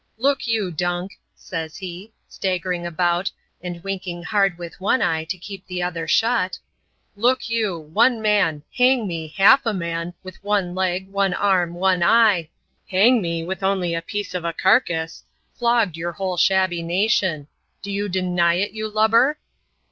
''Look you, Dunk," says he, staggering about, and winking hard with one eye, to keep the other shut, ''Look you : one man — hang me, half 21. man — with one leg, one arm, one eye — hang me, with only a piece of a carcass, flogged your whole shabby nation. Do you deny it, you lubber?"